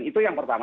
itu yang pertama